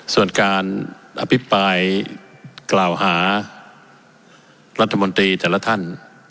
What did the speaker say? ส่วนการอภิปรายกล่าวหารัฐมนตรีแต่ละท่าน